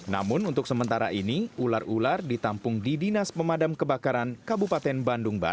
namun untuk sementara ini ular ular ditampung di dinas pemadam kebakaran kabupaten bandung barat